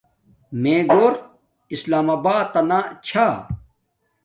میے گور اسلام آبات تنا چھا